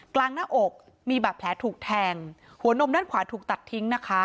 หน้าอกมีบาดแผลถูกแทงหัวนมด้านขวาถูกตัดทิ้งนะคะ